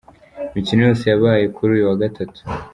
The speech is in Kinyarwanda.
Imikino yose yabaye kuri uyu wa Gatatu.